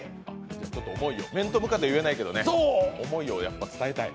面と向かって言えないけど、思いを伝えたい。